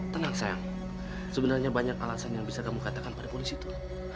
tenang sayang sebenarnya banyak alasan yang bisa kamu katakan pada polisi itu